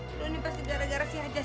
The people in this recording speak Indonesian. aduh ini pasti gara gara si aja